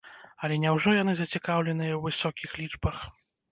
Але няўжо яны зацікаўленыя ў высокіх лічбах?